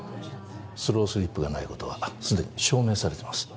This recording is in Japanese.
スロースリップがないことはすでに証明されてます